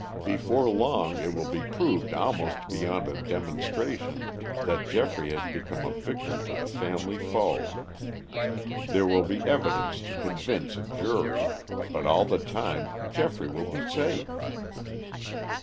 "Before long it will be proved almost beyond a demonstration that Geoffrey has become a victim to the family foe. There will be evidence to convince a jury, but all the time Geoffrey will be safe."